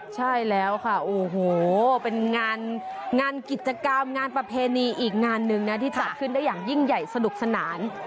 ใช่แล้วค่ะโอ้โหเป็นงานกิจกรรมงานประเพณีอีกงานหนึ่งนะที่จัดขึ้นได้อย่างยิ่งใหญ่สนุกสนาน